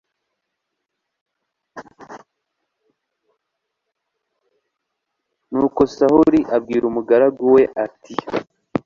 nuko sawuli abwira umugaragu we, ati